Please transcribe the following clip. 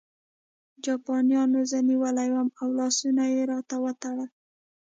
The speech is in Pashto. جاپانیانو زه نیولی وم او لاسونه یې راته وتړل